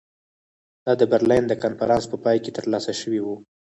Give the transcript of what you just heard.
دا د برلین د کنفرانس په پای کې ترلاسه شوې وه.